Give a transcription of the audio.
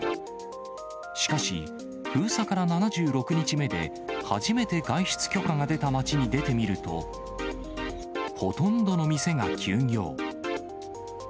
しかし、封鎖から７６日目で初めて外出許可が出た街に出てみると、ほとんどの店が休業。